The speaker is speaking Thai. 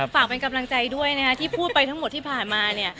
ฝากเป็นกำลังใจด้วยนะฮะที่พูดไปทั้งหมดที่ผ่านมาเนี่ย